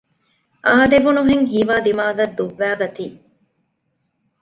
އާދެވުނުހެން ހީވާ ދިމާލަށް ދުއްވައިގަތީ